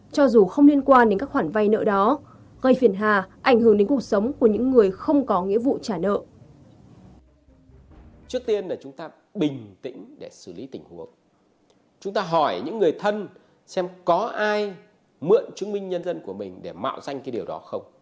cho dù không liên quan đến các khoản vay nợ đó gây phiền hà ảnh hưởng đến cuộc sống của những người không có nghĩa vụ trả nợ